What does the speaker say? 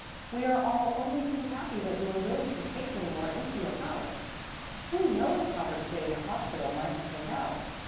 "We are all only too happy that you are willing to take Leonore into your house. Who knows how her stay in the hospital might have turned out?